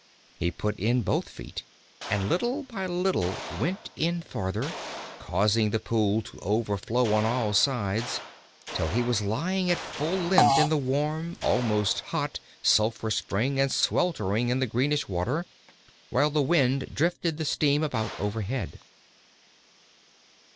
He put in both feet, and little by little went in farther, causing the pool to overflow on all sides, till he was lying at full length in the warm, almost hot, sulphur spring, and sweltering in the greenish water, while the wind drifted the steam about overhead.